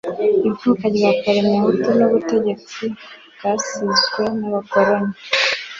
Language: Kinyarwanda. ivuka rya parmehutu n'ubutegetsi bwasizwe n'abakoroni